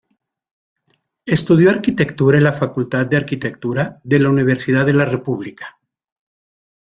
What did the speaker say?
Estudió arquitectura en la Facultad de Arquitectura de la Universidad de la República.